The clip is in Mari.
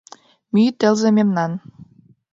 Мӱй тылзе мемнан.